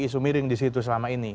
isu miring disitu selama ini